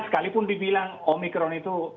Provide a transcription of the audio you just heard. sekalipun dibilang omikron itu